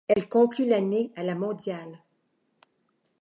Elle conclut l'année à la mondiale.